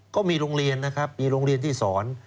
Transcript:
ก็มีโรงเรียนนะครับมีโรงเรียนที่สอน